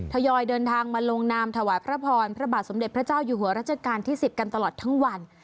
ทยอยเดินทางมาลงนามถวายพระพรพระบาทสมเด็จพระเจ้าอยู่หัวรัชกาลที่๑๐กันตลอดทั้งวัน